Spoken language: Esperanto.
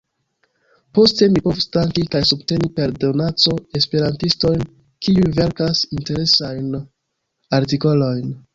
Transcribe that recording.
Poste mi povus danki kaj subteni per donaco esperantistojn kiuj verkas interesajn artikolojn.